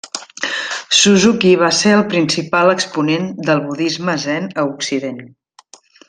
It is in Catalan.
Suzuki va ser el principal exponent del budisme zen a Occident.